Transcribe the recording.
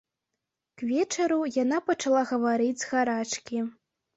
К вечару яна пачала гаварыць з гарачкі.